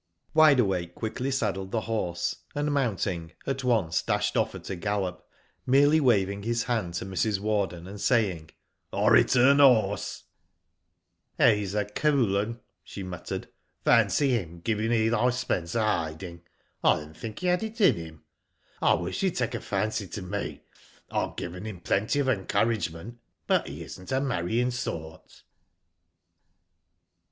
Wide Awake quickly saddled the horse, and mounting, at once dashed off at a gallop, merely waving his hand to Mrs. Warden, and saying — "Til return the horse." *'He*s a cool 'un/' she muttered. *' Fancy him giving Eli Spence a hiding. *' I didn't think he had it in him. I wish he'd take a fancy to me. I've given him plenty of encouragement, but he isn't a marrying sort."